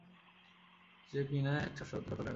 যে কিনা একজন শ্বত ড্রাগন।